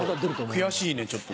悔しいねちょっと。